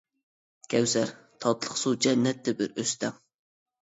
كەۋسەر : تاتلىق سۇ، جەننەتتە بىر ئۆستەڭ.